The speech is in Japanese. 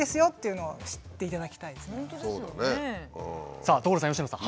さあ所さん佳乃さん。